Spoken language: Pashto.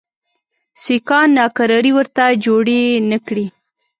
سیکهان ناکراري ورته جوړي نه کړي.